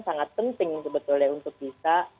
sangat penting untuk bisa